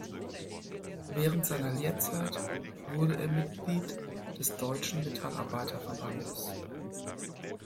Während seiner Lehrzeit wurde er Mitglied des Deutschen Metallarbeiter-Verbandes.